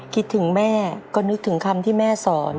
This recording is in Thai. คิดถึงแม่ก็นึกถึงคำที่แม่สอน